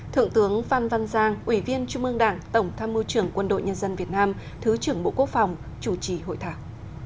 thượng tướng phan văn giang ủy viên trung ương đảng tổng tham mưu trưởng quân đội nhân dân việt nam thứ trưởng bộ quốc phòng chủ trì hội thảo